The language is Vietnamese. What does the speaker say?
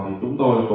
phát triển du lịch